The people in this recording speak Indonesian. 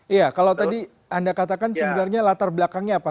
iya kalau tadi anda katakan sebenarnya latar belakangnya apa